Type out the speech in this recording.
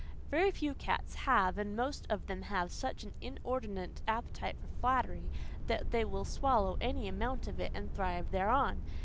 Very few cats have; and most of them have such an inordinate appetite for flattery that they will swallow any amount of it and thrive thereon.